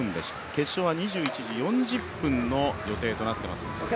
決勝は２１時４０分の予定となっています。